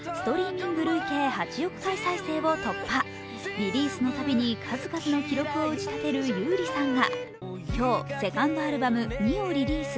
リリースのたびに数々の記録を打ち立てる優里さんが今日、セカンドアルバム「弐」をリリース。